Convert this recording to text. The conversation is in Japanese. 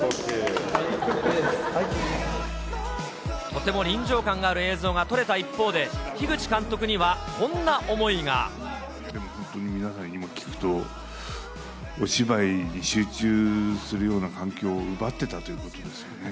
とても臨場感がある映像が撮れた一方で、本当に皆さんに聞くと、お芝居に集中するような環境を奪ってたということですよね。